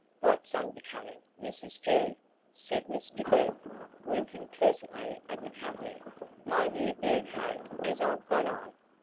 "What's unbecoming, Mrs G.?" said Mr Glegg, winking pleasantly at the company. "My new blue coat as I've got on?"